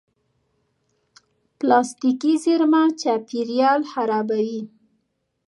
پلاستيکي زېرمه چاپېریال خرابوي.